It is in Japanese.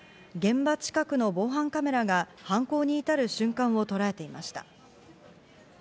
現場近くの防犯カメラが犯行に至る瞬間をとらえていました。